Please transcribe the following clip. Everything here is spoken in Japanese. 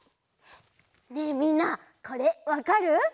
ねえみんなこれわかる？